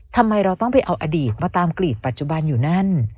ทำไมเราต้องไปเอาอดีตมาตามกลีดปัจจุบันอยู่นั่น